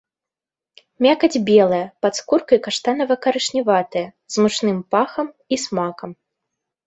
Мякаць белая, пад скуркай каштанава-карычневатая, з мучным пахам і смакам.